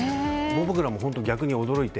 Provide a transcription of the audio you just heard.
僕らも本当、逆に驚いて。